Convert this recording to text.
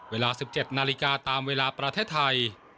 เวลา๑๗นาฬิกาตามเวลาประเทศไทย